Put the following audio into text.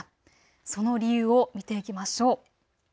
その理由を見ていきましょう。